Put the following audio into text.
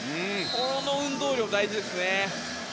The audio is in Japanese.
この運動量、大事ですね。